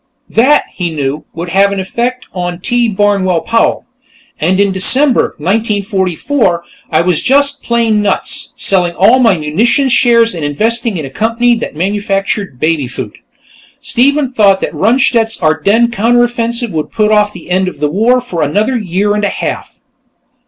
That, he knew, would have an effect on T. Barnwell Powell. "And in December, 1944, I was just plain nuts, selling all my munition shares and investing in a company that manufactured baby food. Stephen thought that Rundstedt's Ardennes counter offensive would put off the end of the war for another year and a half!"